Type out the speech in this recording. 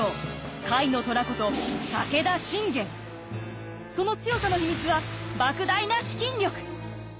甲斐の虎ことその強さの秘密は莫大な資金力！